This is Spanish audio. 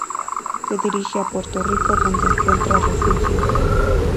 Se dirigen a Puerto Rico donde encuentran refugio.